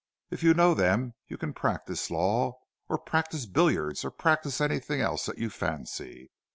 If you know them, you can practise law, or practise billiards, or practise anything else that you fancy.